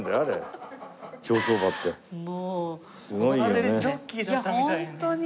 まるでジョッキーだったみたいに。